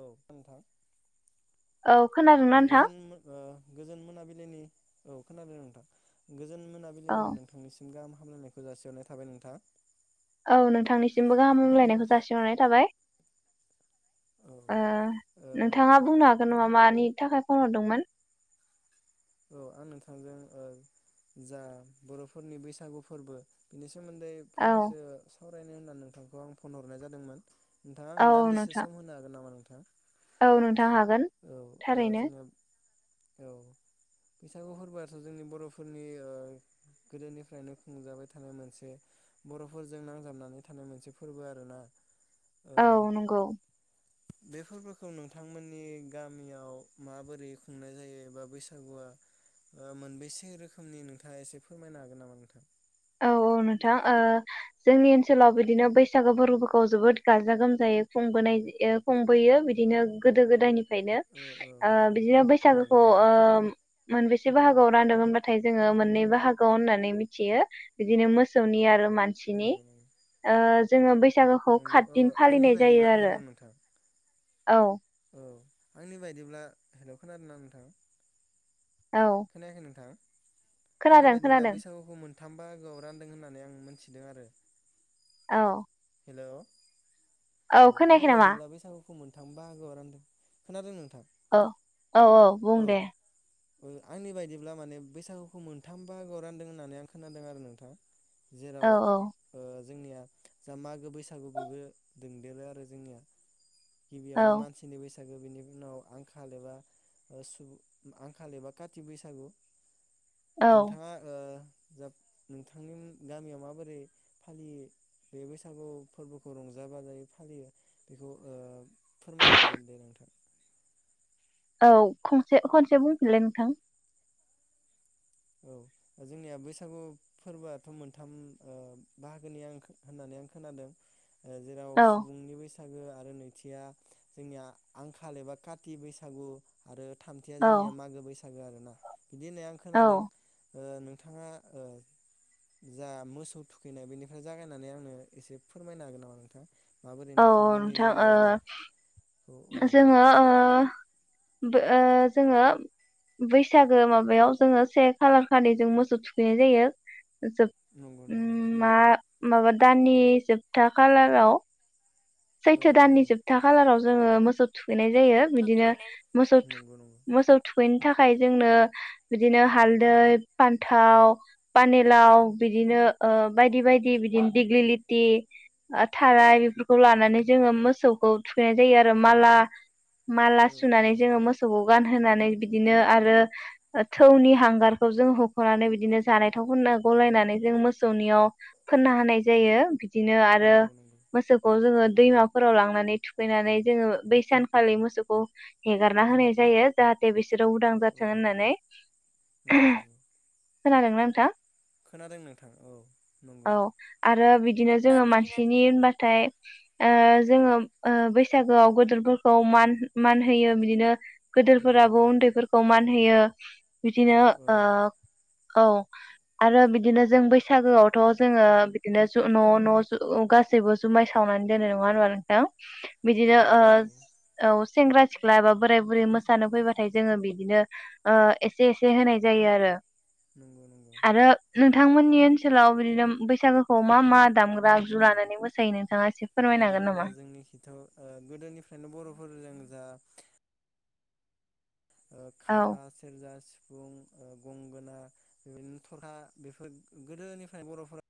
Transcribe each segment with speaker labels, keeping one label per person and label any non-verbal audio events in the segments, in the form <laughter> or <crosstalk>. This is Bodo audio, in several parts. Speaker 1: औ नोंथां
Speaker 2: औ
Speaker 1: औ
Speaker 2: खोनादोंना नोंथां?
Speaker 1: गोजोन ओ गोजोन मोनाबिलिनि औ खोनाबाय नोंथां गोजोन
Speaker 2: औ
Speaker 1: मोनाबिलिनि नोंथांनिसिम गाहाम हामलायनायखौ जासिहरनाय थाबाय नोंथां।
Speaker 2: औ नोंथांनिसिमबो गाहामहामलायनायखौ जासिहरनाय थाबाय।
Speaker 1: औ
Speaker 2: ओ
Speaker 1: ओ
Speaker 2: नोंथाङा बुंनो हागोन नामा मानि थाखाय फन हरदोंमोन?
Speaker 1: औ आं नोंथांजों जा बर'फोरनि बैसागु फोरबो बिनि सो सोमोन्दै
Speaker 2: औ
Speaker 1: फंनैसो सावरायनो होननानै नोंथांखौ आं फन हरनाय जादोंमोन। नोंथाङा
Speaker 2: औ
Speaker 1: आं दान्दिसे
Speaker 2: नोंथां
Speaker 1: सम होनो हागोन नामा नों <unintelligible>
Speaker 2: औ नोंथां हागोन
Speaker 1: ओ
Speaker 2: थारैनो
Speaker 1: जोङो औ। बैसागु फोरबोआथ' जोंनि बर'फोरनि गोदोनिफ्रायनो खुंजाबाय थानाय मोनसे बरफोरजों नांजाबनानै थानाय मोनसे फोरबो आरोना ओ
Speaker 2: औ नंगौ।
Speaker 1: बे फोरबोखौ नोंथांमोननि गामियाव माबोरै खुंनाय जायो एबा बैसागु बैसागुआ मोनबेसे रोखोमनि नोंथाङा एसे फोरमायनो हागोन नामा नोंथां।
Speaker 2: औ औ नोंथां ओ जोंनि ओनसोलाव बिदिनो बैसागो फोरबोफोरखौ जोबोद गाजा गोमजायै खुंबोनाय खुंबोयो बिदिनो गोदो गोदायनि ओंखायनो
Speaker 1: औ औ
Speaker 2: ओ बिदिनो
Speaker 1: नंगौ
Speaker 2: बैसागोखौ
Speaker 1: नंगौ
Speaker 2: ओ मोनबेसे बाहागोआव रानदों होनबाथाय जोङो मोननै बाहागोआव होननानै मिथियो। बिदिनो मोसौनि आरो मानसिनि
Speaker 1: नंगौ नंगौ
Speaker 2: ओ जोङो बै बैसागोखौ
Speaker 1: नंगौ औ
Speaker 2: खातदिन
Speaker 1: आंनि
Speaker 2: फालिनाय जायो
Speaker 1: बायदिब्ला
Speaker 2: आरो
Speaker 1: हेलौ नोंथां
Speaker 2: औ।
Speaker 1: औ आंनि बायदिब्ला हेल खोनादों ना नोंथां
Speaker 2: औ
Speaker 1: खोनायाखै नोंथां। आंनि
Speaker 2: खोनादों
Speaker 1: बायदिब्ला
Speaker 2: खोनादों
Speaker 1: बैसागुखौ मोन थाम बाहागोआव रानदों होननानै आं मोनथिदों आरो।
Speaker 2: औ।
Speaker 1: हेलौ। औ
Speaker 2: खोनायाखै
Speaker 1: आंनि
Speaker 2: नामा
Speaker 1: बादिला बैसागु बुंनो थांबा औ नोंथां खोनादों नोंथां
Speaker 2: औ औ औ बुं दे
Speaker 1: आंनि बायदिब्ला माने बैसागुखौ मोनथाम बाहागो आव रानदों होननानै आं खोनादों आरो नोंथां
Speaker 2: औ
Speaker 1: जेराव ओ जोंनिया जा मागो बैसागु बेबो दोंदेरो आरो जोंनिया
Speaker 2: औ
Speaker 1: गिबियावनो मानसि <unintelligible> बैसागु बिनि उनाव आंखाल एबा सुबुं आंखाल एबा काति बैसागु
Speaker 2: औ
Speaker 1: नोंथाङा ओ जा नोंथांनि गामियाव माबोरै फालियो बे बैसागु फोरबोखौ रंजा बाजायै फालियो बेखौ ओ फोरमाय दोनदोन दे नोंथां
Speaker 2: औ खंसे खनसे बुंफिनलाय नोंथां
Speaker 1: औ जोंनिया बैसागु फोरबोआथ मोनथाम बाहागोनि आं होननानै आं खोनादों जेराव
Speaker 2: औ
Speaker 1: सुबुंनि बैसाग आरो नैथिया जोंनिया आंखाल एबा काति बैसागु आरो थामथिया
Speaker 2: औ
Speaker 1: जोंनिया मागो बैसा <unintelligible> आरो ना बिदि होननाय आं
Speaker 2: औ
Speaker 1: खोनादों ओ नोंथाङा ओ जा मोसौ थुखैनाय बेनिफ्राय जागायनानै आंनो एसे फोरमायनो हागोन नामा नोंथाङा
Speaker 2: औ औ नोंथां ओ
Speaker 1: औ औ
Speaker 2: जोङो ओ बो ओ जोङो बैसागो माबायाव जोङो से खालार खालि जों मोसौ थुखैनाय जायो जोब
Speaker 1: नंगौ नंगौ
Speaker 2: ओम मा माबा दाननि जोबथा खालाराव
Speaker 1: औ
Speaker 2: सैथो
Speaker 1: औ
Speaker 2: दाननि
Speaker 1: मोसौ
Speaker 2: जोबथा खालाराव जोङो मोसौ थुख खैनाय जायो बिदिनो
Speaker 1: थुखैनाय
Speaker 2: मोसौ
Speaker 1: नंगौ नंगौ
Speaker 2: थुग मोसौ थुग फैनो थाखाय जोंनो बिदिनो हालदै पान्थाव पानेलाव बिदिनो ओ बायदि बायदि बिदिनो दिग्लिलिति थाराय बेफोरखौ खौ लानानै जोङो मोसौखौ थुखैनाय जायो आरो माला माला
Speaker 1: औ औ
Speaker 2: सुनानै जोङो मोसौ गानहोनानै बिदिनो आरो थौनि हांगारखौ जों होखनानै बिदिनो जानाय थावखौ गलायनानै जों मोसौनियाव फोनना होनाय जायो बिदिनो आरो
Speaker 1: नंगौ नंगौ
Speaker 2: मोसौ जोंङो दैमाफोराव लांनानै थुखैनानै जोङो बै सानखालि मोसौखौ हेगारना होनाय जायो जाथ थे बिसोरो उदां
Speaker 1: औ
Speaker 2: जाथों
Speaker 1: औ
Speaker 2: होननानै
Speaker 1: नंगौ नंगौ
Speaker 2: खोनादों ना नोंथां
Speaker 1: खोनादों नोंथां औ नंगौ
Speaker 2: औ आरो बिदिनो जोङो
Speaker 1: बिदिनो
Speaker 2: मानसिनि होनबाथाय ओ जोङो ओ बैसागोआव गदोरफोरखौ मान मान होयो बिदिनो
Speaker 1: नंगौ
Speaker 2: गोदोरफोराबो
Speaker 1: नंगौ
Speaker 2: उन्दैफोरखौ मान होयो <inaudible>
Speaker 1: औ
Speaker 2: बिदिनो
Speaker 1: औ
Speaker 2: ओ औ आरो बिदिनो जों बैसागोआवथ जोङो बिदिनो ज न न ज गासैबो जुमाय सावनानै दोनो नङा होमबा नोंथां
Speaker 1: औ
Speaker 2: बिदिनो ओ,
Speaker 1: औ
Speaker 2: औ सेंग्रा सिख्ला एबा बोराय बुरै मोसानो फैबाथाय जोङो बिदिनो ओ एसे- एसे होनाय जायो आरो
Speaker 1: नंगौ-नंगौ
Speaker 2: आरो नोंथांमोननि ओनसोलाव बिदिनो बैसागोखौ मा मा दामग्रा आगजु लानानै मोसायो? नों थांङा
Speaker 1: नंगौ ओ जोंनि खिथ' ओ गोदोनिफ्रायनो बरफोरजों जा ओ
Speaker 2: औ
Speaker 1: खाम सेरजा सि गं ओ गंगोना बेदिनो थरखा बेफोर गोदोनिफ्रायनो बर'फोर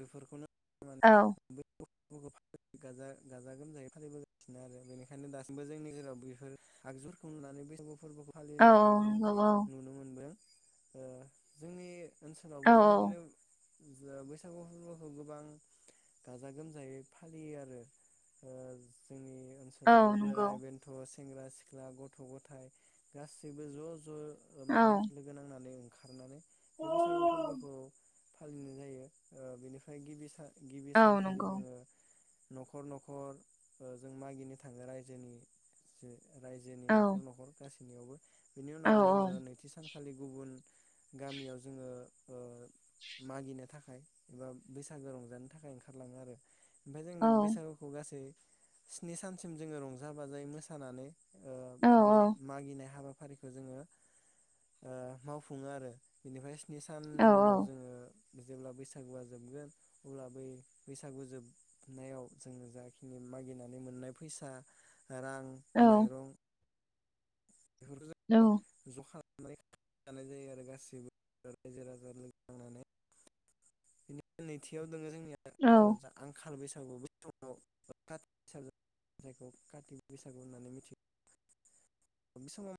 Speaker 1: बेफोरखौनो <unintelligible>
Speaker 2: औ
Speaker 1: <unintelligible> गाजा-गाजा गोमजायै फालिबोगासिनो आरो बेनिखायनो दासिमबो जोंनि गेजेराव बेफोर आगजुफोरखौ नुनानै बैसागु फोरबो फालिनायखौ जों नुनो मोनदों। ओ जोंनि ओनसोलावबो
Speaker 2: औ
Speaker 1: बेबायदिनो जा बै बैसागु फोरबोखौ गोबां गाजा गोमजायै फालियो आरो ओ जोंनि
Speaker 2: औ
Speaker 1: ओनसोलावबो
Speaker 2: नंगौ
Speaker 1: बोराय बेन्थ' सेंग्रा -सिख्ला गथ' ग'थाय गासैबो ज-ज ओ
Speaker 2: औ
Speaker 1: माने लोगो नांनानै ओं खारनानै
Speaker 2: औ
Speaker 1: बे बैसागो फोरबोखौ फालिनाय जायो। ओ बिनिफ्राय गिबि सान गिबि
Speaker 2: औ नंगौ औ
Speaker 1: सानखालि
Speaker 2: नंगौ
Speaker 1: जोङो नखर- नखर ओ जों मागिनो थाङो रायजोनि जे रायजोनि
Speaker 2: औ
Speaker 1: नखर नखर गासिबो बयनियावबो बिनि
Speaker 2: औ
Speaker 1: उनाव जोङो नैथि सानखालि गुबुन गामियाव जोङो ओ मागिनो थाखाय एबा बैसागो रंजानो थाखाय ओंखारलाङो आरो ओमफ्राय जों
Speaker 2: औ
Speaker 1: बैसागुखौ गासै स्नि सानसिम जोङो रंजा बाजायै मोसानानै ओ
Speaker 2: औ
Speaker 1: बे मागिनाय हाबा खौ जोङो ओ मावफुङो आरो बेनिफ्राय सिनि साननि उनाव
Speaker 2: औ
Speaker 1: जोङो। जेब्ला बैसा बैसागुआ जोबगोन अब्ला बै बैसागु जोबनायाव जोङो जाखिनि मागिनानै मोननाय फैसा। रां
Speaker 2: औ
Speaker 1: माइरं। बेफोरखौ जों ज खालाम खाना जायो आरो गासैबो रायजो राजा लोगो नांनानै। बिदिनो नैथियाव। दङ जोंनि आंखाल बैसाग <unintelligible> बे समाव जों आव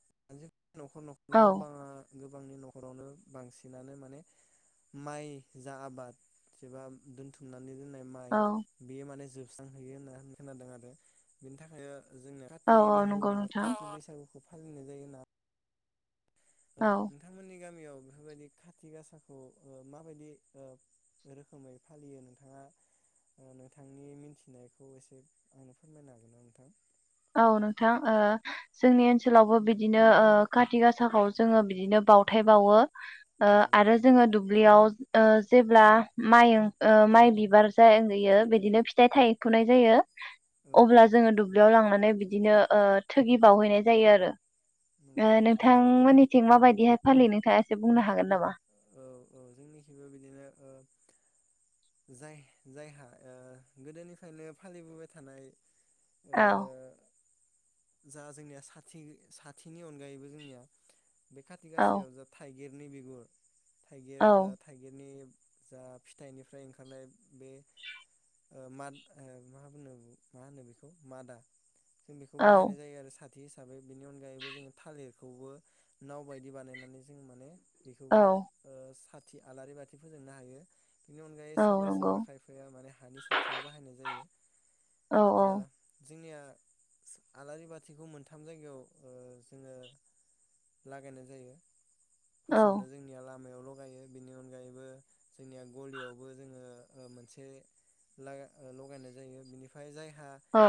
Speaker 1: <unintelligible> नखर नखर
Speaker 2: औ
Speaker 1: गोबाङा। गोबांनि नखरावनो बांसिनानो माने माइ जा आबाद एबा दोनथुमना नानै दोननाय माइ
Speaker 2: औ
Speaker 1: बेयो मान जोब सोबस्रांहैयो होनना खोनादों आरो बिनि थाखाय ओ जोंना काथि
Speaker 2: औ
Speaker 1: बिहु
Speaker 2: नंगौ नोंथां
Speaker 1: काति बैसागु और औ। खौ फाल ओंनाय जायोना ओ
Speaker 2: औ
Speaker 1: नोंथांमोननि गामियाव बेफोरबायदि खाथि गासाखौ माबायदि रोखोमै फालियो नोंथाङा नोंथांनि मिथिनायखौ एसे आंनो फोरमायनो हागोनना नोंथां?
Speaker 2: औ नोंथां ओ जोंनि ओनसोलावबो बिदिनो ओ खाथि गासाखौ जोङो बिदिनो बावथाय बावो। ओ
Speaker 1: नंगौ
Speaker 2: आरो
Speaker 1: नंगौ
Speaker 2: जोङो दुब्लियाव। ओ जेब्ला माइ ओ माइ बिबार जायो बिदिनो फिथाइ थाइफुनाय जायो।
Speaker 1: औ औ
Speaker 2: अब्ला जोङो दुब्लियाव लांना मे बिदिनो ओ थोगि बावहैनाय जायोआरो ओ
Speaker 1: नंगौ नंगौ
Speaker 2: नोंथांमोननि थिं माबायदिहाय फालियो नोंथाङा एसे बुंनो हागोन नामा
Speaker 1: औ औ जोंनिखिबो बिदिनो ओ जाय-जायहा ओ गोदोनिफ्रायनो फालिबोबाय थानाय ओ
Speaker 2: औ
Speaker 1: जा जोंनिया साथि-साथिनि अनगायैबो जोंनिया बे खाथि
Speaker 2: औ
Speaker 1: गासायाव जाथाइ गिरनि बिगुर थाइगिर
Speaker 2: औ
Speaker 1: ओ थाइगिरनि जा फिथाइनिफ्राय ओंखारनाय बे ओ माद मा होनो मा होनो बेखौ मादा जों बेखौ बाहायनाय
Speaker 2: औ
Speaker 1: जायआरो साथ खाथि हिसाबै बेनि अनगायैबो जोङो थालिरखौबो नाव बायदि बानायनानै जों माने।
Speaker 2: औ
Speaker 1: बेखौबो। ओ साथि आलारि बाथि फोजोंनो हायो। बेनि अनगायै
Speaker 2: औ
Speaker 1: सोरबा
Speaker 2: नंगौ
Speaker 1: सोरबा खायफाया माने हानि साथिबो बाहायनाय जायो।
Speaker 2: औ औ
Speaker 1: जोंनिया सो आलारि बाथिखौ मोनथाम जायगायाव ओ जोङो लागायनाय जायो।
Speaker 2: औ
Speaker 1: फासआवनो जोंनिया लाम। दहलायावल गायो बिनि अनगायैबो जोंनिया गलियावबो जोङो मोनसे लगायनाय जायो बिनिफ्राय जाय।
Speaker 2: औ।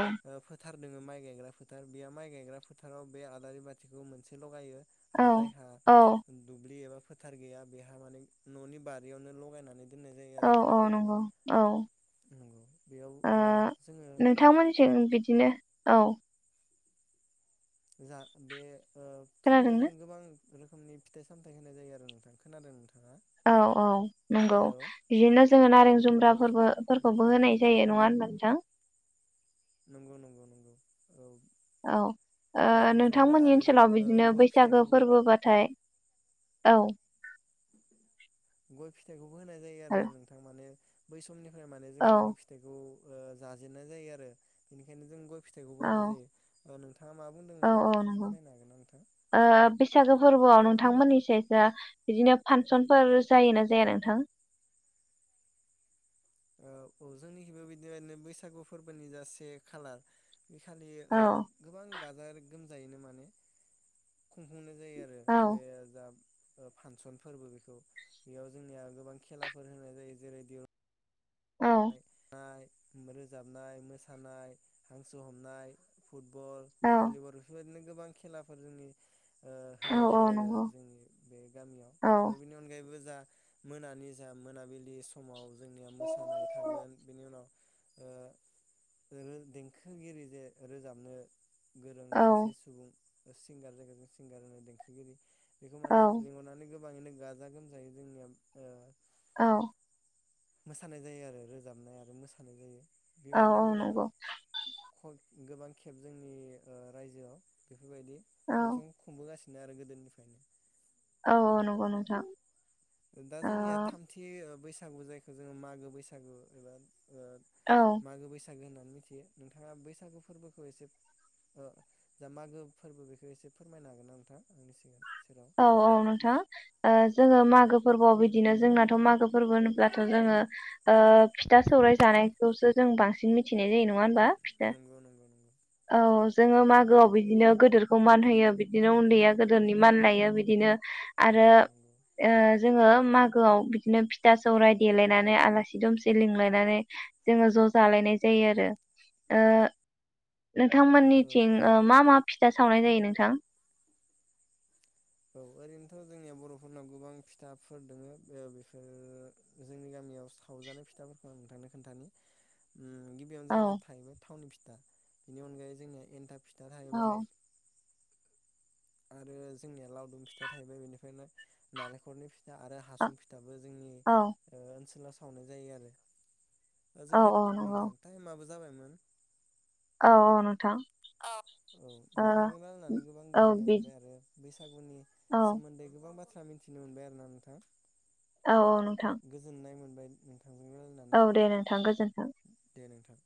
Speaker 1: फोथार दोङो माइ गायग्रा फोथार बेयो माइ गायग्रा फोथाराव बे आलारि बाथिखौ मोनसे लगायो।
Speaker 2: औ
Speaker 1: आरो जायहा
Speaker 2: औ
Speaker 1: दुबलि एबा। फोथार गैया। बेहा माने ननि बारियावनो लगायनानै। दोननाय जायो
Speaker 2: औ
Speaker 1: आरो
Speaker 2: औ
Speaker 1: बेखौ
Speaker 2: नंगौ
Speaker 1: नंगौ बेयाव
Speaker 2: औ
Speaker 1: ओ जोङो
Speaker 2: नोंथांमोनथिं बिदिनो। औ।
Speaker 1: जा बे। ओ थुगिया
Speaker 2: खोनादों
Speaker 1: जों गोबां। रोखोमनि फिथाइ सामथाय होनाय जायो आरो नोंथां खोनादों नोंथां।
Speaker 2: औ औ नंगौ बिदिनो जोङो नारें
Speaker 1: औ नंगौ
Speaker 2: जुम्ब्राफोरबोफोरखौबो
Speaker 1: ना नोंथां?
Speaker 2: होनाय जायो नङा होनबा नोंथां।
Speaker 1: नंगौ नंगौ नंगौ औ।
Speaker 2: औ ओ
Speaker 1: नारें जुम्ब्रा
Speaker 2: नोंथांमोननि
Speaker 1: आरो गो
Speaker 2: ओनसोलाव
Speaker 1: ओ
Speaker 2: बिदिनो
Speaker 1: गय
Speaker 2: बैसागो
Speaker 1: फिथाइखौबो
Speaker 2: फोरबोबाथाय। औ।
Speaker 1: गय फिथाइखौ। होनाय जायो
Speaker 2: औ
Speaker 1: आरो ना नोंथां माने। बै समनि। माने जों गय
Speaker 2: औ
Speaker 1: फिथाइखौ। ओ, जाजेननाय जायो आरो बेनिखायनो जों गय। फिथाइखौबो होनाय जायो। <unintelligible> नोंथाङा मा
Speaker 2: औ
Speaker 1: बुंदोंमोन
Speaker 2: औ नंगौ
Speaker 1: फोरमायनो हागोन ना नोंथां?
Speaker 2: ओ बैसागो फोरबोआव नोंथांमोननिथिंजाय बिदिनो फांसनफोर जायोना जाया नोंथां?
Speaker 1: औ जोंनिखिजोंबो बिदिनो बैसागु फोरबोनि से खालार। बेखालि
Speaker 2: औ
Speaker 1: गोबां गाजा गोमजा। जायनो माने। खुंफुंनाय जायो आरो
Speaker 2: औ
Speaker 1: बे जा। ओ फांसन फोरबो बेखौ बेयाव जोंनिया गोबां खेलाफोर होनाय जायो जेरै
Speaker 2: औ
Speaker 1: <unintelligible> उम रोजाबनाय मोसानाय हांसो हमनाय फुटबल
Speaker 2: औ
Speaker 1: भलिबल बेफोरबायदिनो गोबां खेलाफोर जोंनि ओ
Speaker 2: औ
Speaker 1: होनाय
Speaker 2: औ
Speaker 1: जायो आरो
Speaker 2: नंगौ
Speaker 1: जोंनि बे गामियाव
Speaker 2: औ
Speaker 1: आरो बेनि अनगायैबो जा मोनानि जा मोनाबिलि समाव जोंनिया मोसानाय थागोन बिनि उनाव ओ देंखोगिरि जे रोजाबनो गोरों
Speaker 2: औ
Speaker 1: खासे
Speaker 2: औ
Speaker 1: सुबुं सिंगार जागो सिंगार होनो देंखोगिरि बेखौ माने लिंहरनानै गोबाङैनो गाजा गोमजायै जोंनिया ओ
Speaker 2: औ
Speaker 1: मोसानाय जायो आरो रोजाबनाय आरो मोसानाय जायो
Speaker 2: औ
Speaker 1: बेबायदिनो
Speaker 2: औ
Speaker 1: गोबां
Speaker 2: नंगौ
Speaker 1: गोबां खेब जोंनि ओ रायजोआव बेफोरबायदि
Speaker 2: औ
Speaker 1: फांसन खुंबोगासि आरो गोदोनिफ्रायनो
Speaker 2: औ औ नंगौ नोंथां
Speaker 1: दा
Speaker 2: ओ
Speaker 1: जोंनिया थामथि ओ बैस गु जायखौ जोङो मागो बैसागु एबा ओ
Speaker 2: औ
Speaker 1: मागो बैस सागो होननानै मिथियो नोंथाङा बैसागु फोरबोखौ एसे ओ जा मागो फोरबो बेखौ एसे फोरमायनो हागोन ना नोंथाङां आंनि सिगां सेराव
Speaker 2: औ औ नोंथां ओ जोङो मागो फोरबोआव बिदिनो जोंनाथ मागो फोरबो होनोल्बाथ जोङो ओ फिथा सौराय जानायखौसो जों बांसिन मिथिनाय जायो नङा होनबा? <unintelligible>
Speaker 1: नंगौ नंगौ नंगौ
Speaker 2: औ जोङो मागोआव बिदिनो गोदिरखौ मान होयो बिदिनो उन्दैया गोदोरनि मान गायो बिदिनो आरो
Speaker 1: नंगौ नंगौ
Speaker 2: ओ जोङो मागोआव बिदिनो फिथा सौराय देलायनानै आलासि दुमसि लिंलायनानै जोङो ज जालायनाय जायो आरो ओ नोंथांमोननि
Speaker 1: औ
Speaker 2: थिं
Speaker 1: औ
Speaker 2: ओ मा मा फि फिथा सावनाय जायो नोंथां।
Speaker 1: औ ओरैनोथ' जोंनियाव बर'फोरनाव गोबां फिथाफोर दोङो ओ बेफोर जोंनि गामियाव सावजानाय फिथाफोरखौ आं नोंथांनो खोन्थानि ओम गिबियावनो
Speaker 2: औ
Speaker 1: जोंना थायो थावनि फि दा बिनि अनायै जोंनिया एनथाब फिथा
Speaker 2: औ
Speaker 1: थाहैबाय आरो जोंनिया लावदुम फिथा थाहैबाय बेनिफ्रायनो नालेंखलनि फिथ आरो हासुं फिथाबो जोंनि
Speaker 2: औ
Speaker 1: ओ ओनसोला सावनाय जायो आरो। ओ
Speaker 2: औ
Speaker 1: जोंनिया
Speaker 2: औ नंगौ
Speaker 1: नोंथां टाइमआबो ज जाबायमोन।
Speaker 2: औ औ नोंथां।
Speaker 1: औ औ
Speaker 2: ओ
Speaker 1: नोंथांजों रायज्लानानै गोबां
Speaker 2: औ
Speaker 1: गोजोननाय
Speaker 2: बि
Speaker 1: मोनबाय आरो बैसागुनि
Speaker 2: औ
Speaker 1: सोमोन्दै गोबां बाथ्रा थ्रा मिथिनो मोनबाय आरो ना नोंथां।
Speaker 2: औ औ नोंथां
Speaker 1: गोजोननाय मोन बाय नों
Speaker 2: औ दे नोंथां गोजोन्थों।
Speaker 1: दे नोंथां।